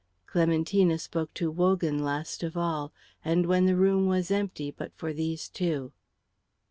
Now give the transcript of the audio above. Clementina spoke to Wogan last of all, and when the room was empty but for these two.